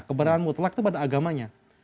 keberadaan mutlak itu pada agamanya